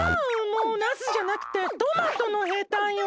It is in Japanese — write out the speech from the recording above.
もうナスじゃなくてトマトのヘタよ！